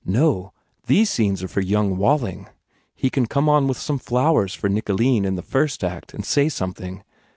No. These scenes are for young Walling. He can come on with some flowers for Nicoline in the first act and say something.